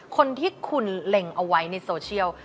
คนที่คุณเล็งเอาไว้ในโซเชียล